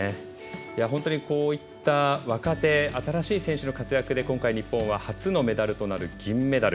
本当に、こういった若手、新しい選手の活躍で今回、日本は初のメダルとなる銀メダル。